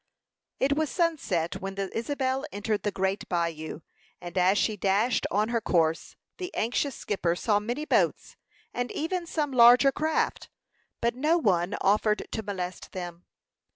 It was sunset when the Isabel entered the great bayou; and as she dashed on her course, the anxious skipper saw many boats, and even some larger craft, but no one offered to molest them.